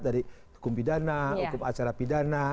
dari hukum pidana hukum acara pidana